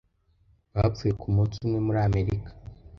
bapfuye ku munsi umwe muri Amerika